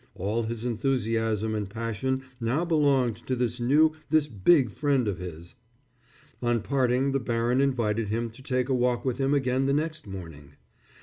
All his enthusiasm and passion now belonged to this new, this big friend of his. On parting the baron invited him to take a walk with him again the next morning.